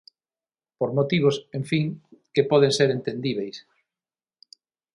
Por motivos, en fin, que poden ser entendíbeis.